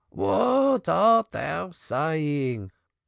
"What art thou saying?